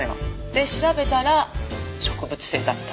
で調べたら植物性だった。